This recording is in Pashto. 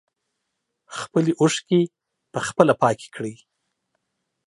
خپلې اوښکې په خپله پاکې کړئ.